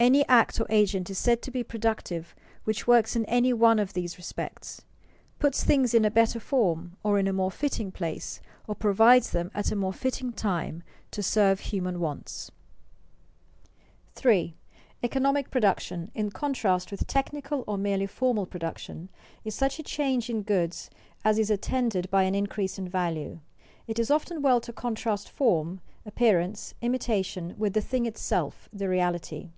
Any act or agent is said to be productive which works in any one of these respects: puts things in better form, or in a more fitting place, or provides them at a more fitting time to serve human wants. [Sidenote: Economic vs. technical changes in goods] 3. _Economic production (in contrast with technical or merely formal production) is such a change in goods as is attended by an increase in value._ It is often well to contrast form, appearance, imitation, with the thing itself, the reality.